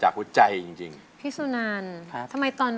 ค่ะ